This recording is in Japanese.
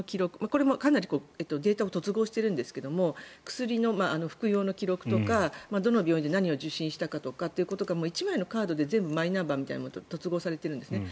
これもかなりデータを突合しているんですが薬の服用の記録とかどの病院で何を受診したかが１枚のカードでマイナンバーみたいなので突合されているんですね。